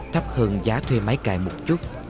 thấp hơn giá thuê máy cài một chút